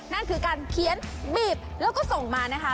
นั่นคือการเขียนบีบแล้วก็ส่งมานะคะ